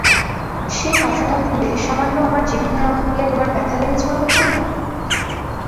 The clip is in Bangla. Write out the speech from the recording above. সে-কথাটা ভুলে সামান্য আমার জীবিকার অভাব নিয়ে তোমার ব্যথা লেগেছে অন্নপূর্ণা!